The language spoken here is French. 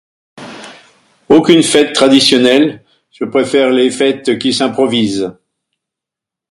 Aucune fête traditionnelle, je préfère les fêtes qui s'improvisent.